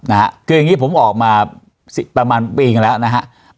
คืออย่างนี้ผมออกมาประมาณปีอีกแล้วนะครับ